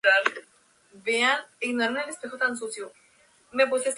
Su infancia y adolescencia transcurrieron en Chinandega, Nicaragua.